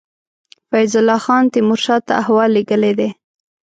فیض الله خان تېمور شاه ته احوال لېږلی دی.